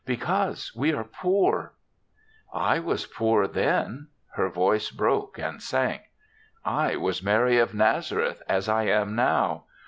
" Because we are poor.'* "I was poor then.*' Her voice broke and sank. "I was Mary of Nazareth as I am now.